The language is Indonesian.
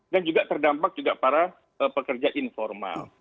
dan juga terdampak juga para pekerja informal